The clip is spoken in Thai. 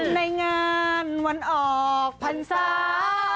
ในงานวันออกพรรษา